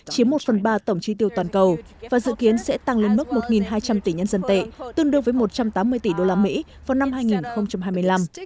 chiếm một phần ba tổng chi tiêu toàn cầu và dự kiến sẽ tăng lên mức một hai trăm linh tỷ nhân dân tệ tương đương với một trăm tám mươi tỷ usd vào năm hai nghìn hai mươi năm